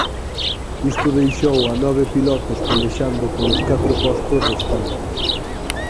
Isto deixou a nove pilotos pelexando polos catro postos restantes.